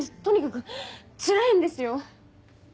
とにかくつらいんですよ！